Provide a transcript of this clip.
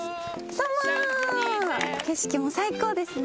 景色も最高ですね。